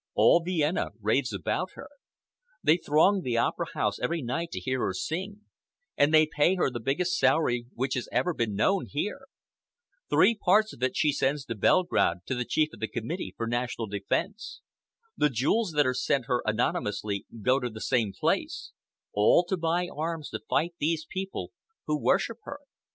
"All Vienna raves about her. They throng the Opera House every night to hear her sing, and they pay her the biggest salary which has ever been known here. Three parts of it she sends to Belgrade to the Chief of the Committee for National Defence. The jewels that are sent her anonymously go to the same place, all to buy arms to fight these people who worship her.